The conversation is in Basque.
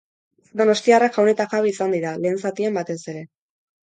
Donostiarrak jaun eta jabe izan dira, lehen zatian batez ere.